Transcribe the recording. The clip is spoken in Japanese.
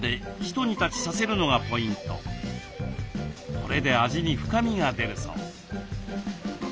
これで味に深みが出るそう。